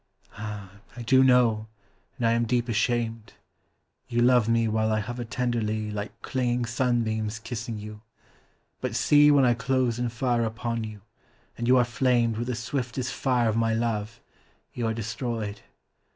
Ah, I do know, and I am deep ashamed; You love me while I hover tenderly Like clinging sunbeams kissing you: but see When I close in fire upon you, and you are flamed With the swiftest fire of my love, you are destroyed.